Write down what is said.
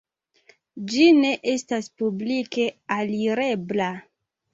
Ĝi ne estas publike alirebla.